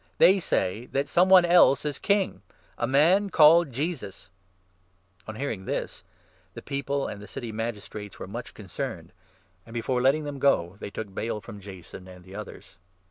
They say that some one else is king — a man called Jesus !" On hearing this, the people and the City Magistrates were 8 much concerned ; and, before letting them go, they took bail 9 from Jason and the others.